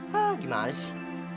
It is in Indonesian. hah gimana sih